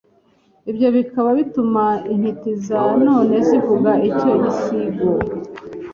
ibyo bikaba bituma intiti za none zivuga icyo gisigo